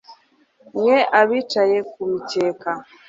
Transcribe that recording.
mwe abicaye ku mikeka